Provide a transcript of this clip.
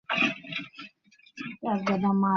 জমিজমা সংক্রান্ত ব্যাপারে ও দারুণ জ্ঞান রাখে!